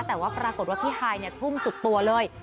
แต่ว่าปรากฏว่าพี่ฮายทุ่มสุดตัวเลย